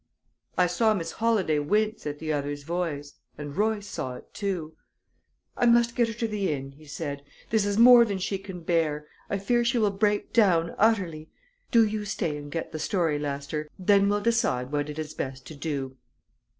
I saw Miss Holladay wince at the other's voice, and Royce saw it, too. "I must get her to the inn," he said. "This is more than she can bear I fear she will break down utterly. Do you stay and get the story, Lester. Then we'll decide what it is best to do."